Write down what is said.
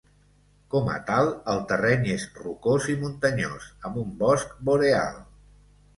Com a tal, el terreny és rocós i muntanyós, amb un bosc boreal.